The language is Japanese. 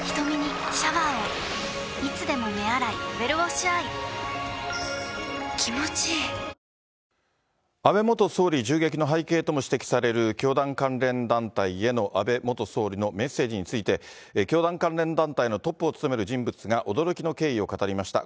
宗教と政治、安倍元総理銃撃の背景とも指摘される教団関連団体への安倍元総理のメッセージについて、教団関連団体のトップを務める人物が、驚きの経緯を語りました。